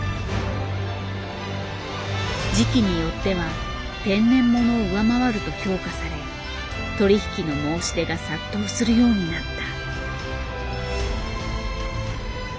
時期によっては天然物を上回ると評価され取り引きの申し出が殺到するようになった。